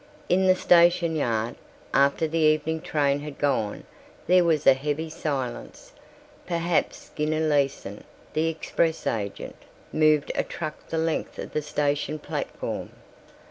In the station yard, after the evening train had gone, there was a heavy silence. Perhaps Skinner Leason, the express agent, moved a truck the length of the station platform.